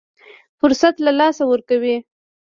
فرصت له لاسه ورکوي.